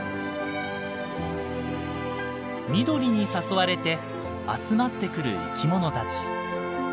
緑に誘われて集まってくる生き物たち。